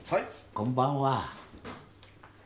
こんばんは。